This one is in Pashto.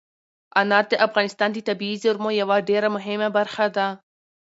انار د افغانستان د طبیعي زیرمو یوه ډېره مهمه برخه ده.